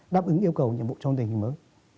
đáp ứng yêu cầu nhiệm vụ trong tình hình mới